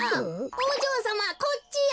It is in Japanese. おじょうさまはこっちよ！